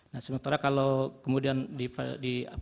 nah sementara kalau kemudian di pernyataan bahwa itu sebagai alat batu jenjang